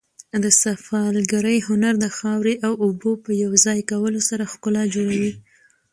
د سفالګرۍ هنر د خاورې او اوبو په یو ځای کولو سره ښکلا جوړوي.